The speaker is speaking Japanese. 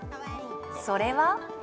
それは。